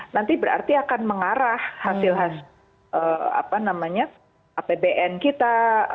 nanti berarti akan mengarah hasil hasil apbn kita